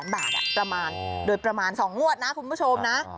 บาทประมาณโดยประมาณ๒งวดนะคุณผู้ชมนะ